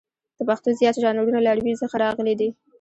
د پښتو زیات ژانرونه له عربي څخه راغلي دي.